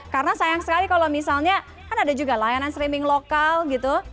karena sayang sekali kalau misalnya kan ada juga layanan streaming lokal gitu